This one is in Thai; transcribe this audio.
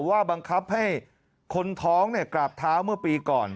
ว่าบังคับให้คนท้องกราบเท้าเมื่อปีก่อน